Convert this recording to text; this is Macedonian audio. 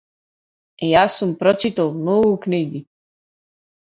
Јас сум прочитал многу книги.